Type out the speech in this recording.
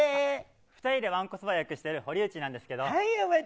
２人でわんこそば予約してる堀内なんですけど。